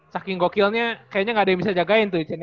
saking gokilnya kayaknya nggak ada yang bisa jagain tuh di sini